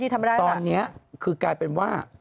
แต่ตอนนี้คือกลายเป็นว่า